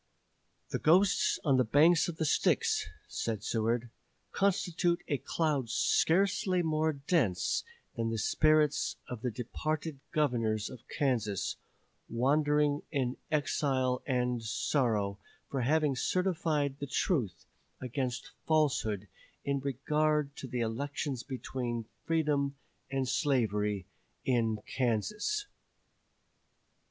"The ghosts on the banks of the Styx," said Seward, "constitute a cloud scarcely more dense than the spirits of the departed Governors of Kansas, wandering in exile and sorrow for having certified the truth against falsehood in regard to the elections between Freedom and Slavery in Kansas."